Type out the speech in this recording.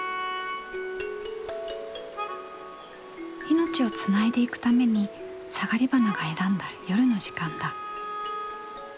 命をつないでいくためにサガリバナが選んだ夜の時間だ。